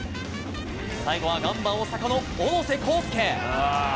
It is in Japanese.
最後は、ガンバ大阪の小野瀬康介。